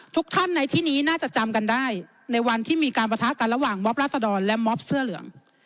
ทุกท่านในที่นี้น่าจะจำกันได้ในวันที่มีการประทะกันระหว่างมอบราษดรและมอบเสื้อเหลือง